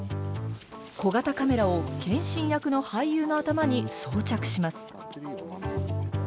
小型カメラを謙信役の俳優の頭に装着します。